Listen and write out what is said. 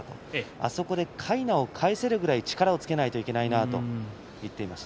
あそこでかいなを返せるぐらいの力をつけないといけないと言っていました。